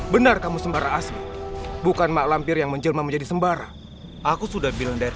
benar kamu sembara asli bukan mak lampir yang menjelma menjadi sembara aku sudah bilang dari